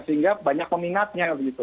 sehingga banyak peminatnya begitu